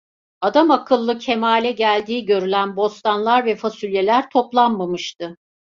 Adamakıllı kemale geldiği görülen bostanlar ve fasulyeler toplanmamıştı.